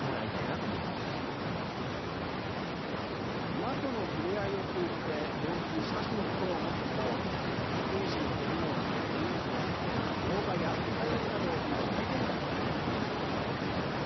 馬との触れ合いを通じて動物に親しむ心を持ってもらおうと福井市のこども園で園児が乗馬や餌やりなどを行う体験会が開かれました。